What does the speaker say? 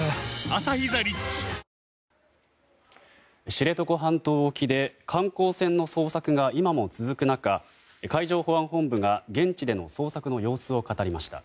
知床半島沖で観光船の捜索が今も続く中、海上保安本部が現地での捜索の様子を語りました。